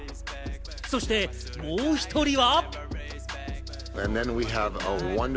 そしてもう一人は。